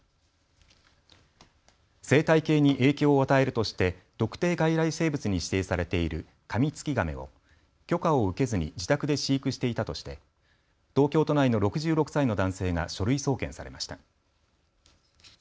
生態系に影響を与えるとして特定外来生物に指定されているカミツキガメを許可を受けずに自宅で飼育していたとして東京都内の６６歳の男性が書類送検されました。